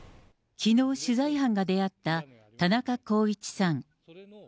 きのう、取材班が出会った田中公一さん。